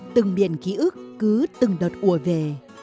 từng biển ký ức cứ từng đợt ủa về